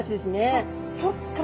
あそっか。